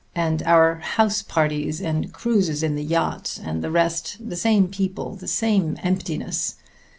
And our house parties and cruises in the yacht and the rest the same people, the same emptiness!